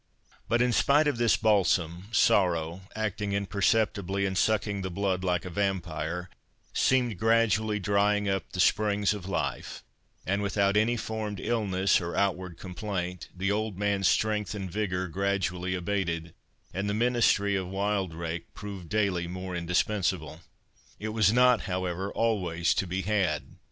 But in spite of this balsam, sorrow, acting imperceptibly, and sucking the blood like a vampire, seemed gradually drying up the springs of life; and, without any formed illness, or outward complaint, the old man's strength and vigour gradually abated, and the ministry of Wildrake proved daily more indispensable. It was not, however, always to be had.